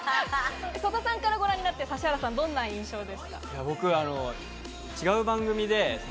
曽田さんからご覧になって指原さんの印象はどうですか？